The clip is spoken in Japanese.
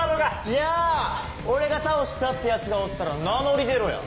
じゃあ俺が倒したってヤツがおったら名乗り出ろや。